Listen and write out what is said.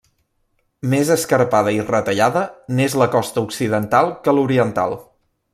Més escarpada i retallada n'és la costa occidental que l'oriental.